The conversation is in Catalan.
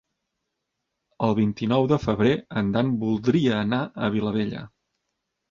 El vint-i-nou de febrer en Dan voldria anar a Vilabella.